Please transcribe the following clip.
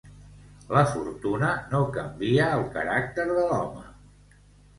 La fortuna no canvia el caràcter de l'home.